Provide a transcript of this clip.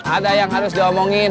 ada yang harus diomongin